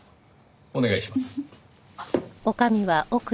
お願いします。